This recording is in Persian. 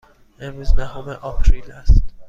امروز دهم آپریل است.